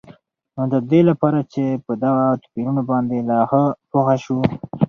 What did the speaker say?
نو ددي لپاره چې په دغه توپيرونو باندي لا ښه پوه شو